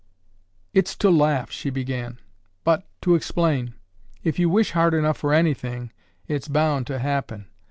"It's to laugh!" she began. "But, to explain. If you wish hard enough for anything, it's bound to happen.